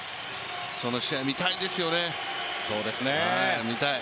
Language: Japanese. その試合見たいですよね、見たい。